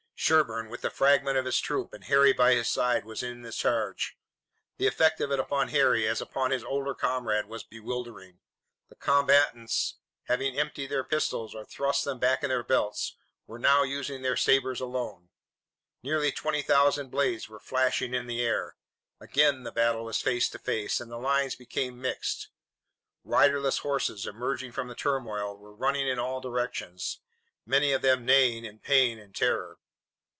Sherburne, with the fragment of his troop and Harry by his side, was in this charge. The effect of it upon Harry, as upon his older comrade, was bewildering. The combatants, having emptied their pistols or thrust them back in their belts, were now using their sabres alone. Nearly twenty thousand blades were flashing in the air. Again the battle was face to face and the lines became mixed. Riderless horses, emerging from the turmoil, were running in all directions, many of them neighing in pain and terror.